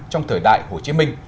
trong thời đại hồ chí minh